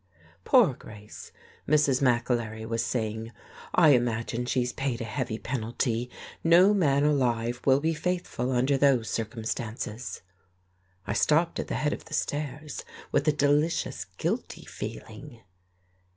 "Poor Grace," Mrs. McAlery was saying, "I imagine she's paid a heavy penalty. No man alive will be faithful under those circumstances." I stopped at the head of the stairs, with a delicious, guilty feeling.